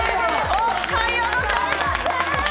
おはようございます！